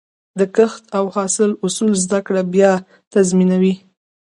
د کښت او حاصل اصول زده کړه، بریا تضمینوي.